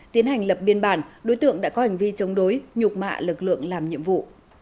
tiến hành lập biên bản đối tượng đã có hành vi chống đối nhục mạ lực lượng làm nhiệm vụ